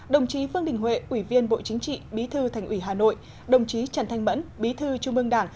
đồng chí vương đình huệ ủy viên bộ chính trị bí thư thành ủy hà nội đồng chí trần thanh mẫn bí thư trung ương đảng